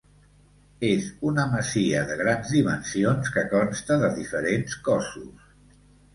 És una masia de grans dimensions que consta de diferents cossos.